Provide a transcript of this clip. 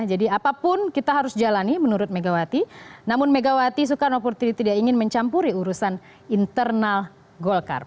jadi apapun kita harus jalani menurut megawati namun megawati sukar nopur tidak ingin mencampuri urusan internal golkar